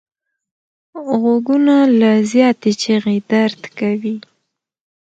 غوږونه له زیاتې چیغې درد کوي